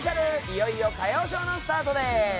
いよいよ歌謡ショーのスタートです。